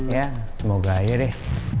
ya semoga aja deh